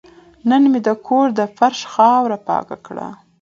نن مې د کور د فرش خاوره پاکه کړه.